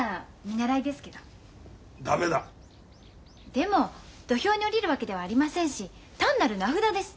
でも土俵に下りるわけではありませんし単なる名札です。